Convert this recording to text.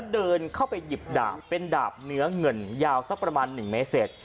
เดินเข้าไปหยิบดาบเป็นดาบเนื้อเงินยาวสักประมาณ๑เมตรเศษ